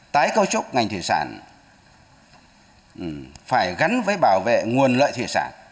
tái cấu trúc ngành thủy sản phải gắn với bảo vệ nguồn lợi thủy sản